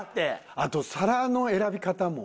あと皿の選び方も。